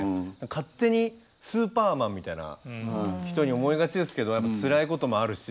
勝手にスーパーマンみたいな人に思いがちですけどつらいこともあるし